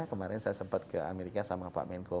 kemarin saya sempat ke amerika sama pak menko marinvest pak luhut